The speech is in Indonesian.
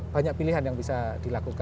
banyak pilihan yang bisa dilakukan